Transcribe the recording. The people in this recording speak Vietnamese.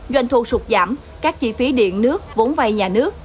doanh thu sụt giảm các chi phí điện nước vốn vay nhà nước